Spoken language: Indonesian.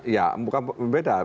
ya bukan beda